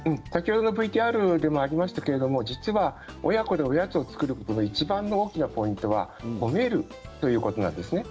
ＶＴＲでもありましたが親子でおやつを作ることのいちばんの大きなポイントは褒めるということなんです。